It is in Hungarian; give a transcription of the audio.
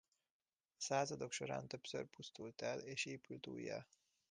A századok során többször pusztult el és épült újjá.